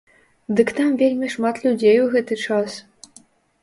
Дык там вельмі шмат людзей у гэты час.